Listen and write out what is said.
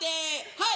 はい！